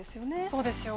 そうですよ。